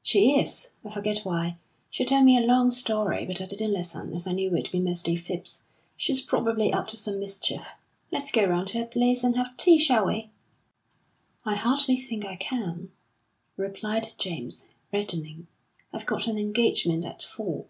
"She is; I forget why. She told me a long story, but I didn't listen, as I knew it would be mostly fibs. She's probably up to some mischief. Let's go round to her place and have tea, shall we?" "I hardly think I can," replied James, reddening. "I've got an engagement at four."